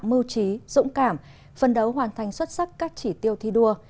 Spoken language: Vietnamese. mưu trí dũng cảm phân đấu hoàn thành xuất sắc các chỉ tiêu thi đua